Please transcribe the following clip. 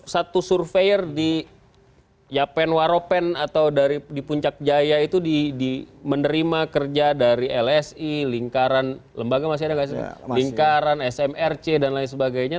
satu survei er di yapan waropen atau di puncak jaya itu menerima kerja dari lsi lingkaran smrc dan lain sebagainya